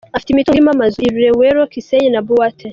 Afite imitungo irimo amazu, i Luweero, Kisenyi na Buwaate.